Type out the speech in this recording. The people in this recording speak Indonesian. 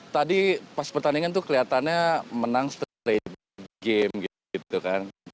tadi pas pertandingan tuh kelihatannya menang strain game gitu kan